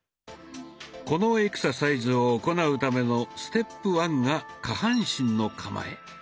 このエクササイズを行うためのステップワンが下半身の構え。